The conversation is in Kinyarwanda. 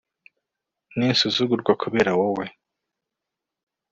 n'insuzugurwa kubera wowe